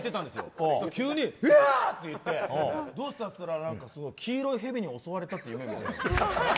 そしたら急にわー！って言ってどうした？って言ったら黄色いヘビに襲われたって夢を見てて。